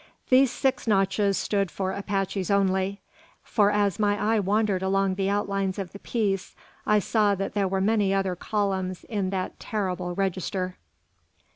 These six notches stood for Apaches only; for as my eye wandered along the outlines of the piece, I saw that there were many other columns in that terrible register!